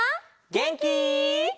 げんき？